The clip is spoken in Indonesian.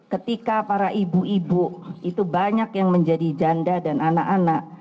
ketika para ibu ibu itu banyak yang menjadi janda dan anak anak